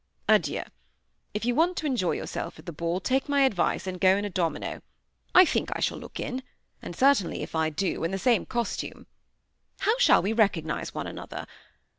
Adieu. If you want to enjoy yourself at the ball, take my advice and go in a domino. I think I shall look in; and certainly, if I do, in the same costume. How shall we recognize one another?